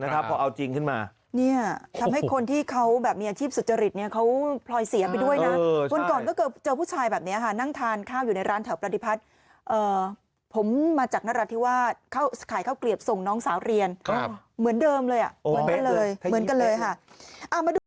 กระพริบตาใส่ปิ๊บ